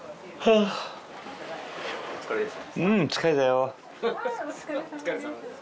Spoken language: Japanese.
あお疲れさまです